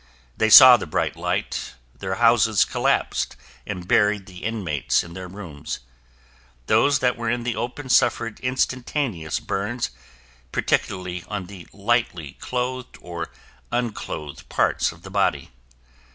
They saw the bright light, their houses collapsed and buried the inmates in their rooms. Those that were in the open suffered instantaneous burns, particularly on the lightly clothed or unclothed parts of the body.